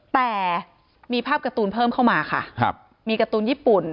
แต่มีภาพการ์ตูนเพิ่มเข้ามาค่ะครับมีการ์ตูนญี่ปุ่น